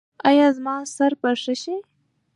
ایا زما سر به ښه شي؟